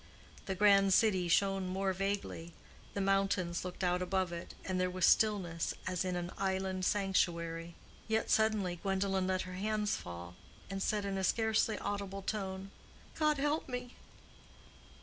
The grand city shone more vaguely, the mountains looked out above it, and there was stillness as in an island sanctuary. Yet suddenly Gwendolen let her hands fall, and said in a scarcely audible tone, "God help me!"